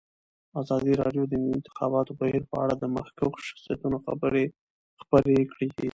ازادي راډیو د د انتخاباتو بهیر په اړه د مخکښو شخصیتونو خبرې خپرې کړي.